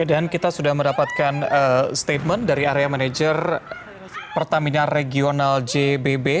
dan kita sudah mendapatkan statement dari area manajer pertamina regional jbb